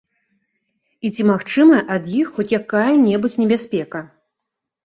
І ці магчымая ад іх хоць якая-небудзь небяспека?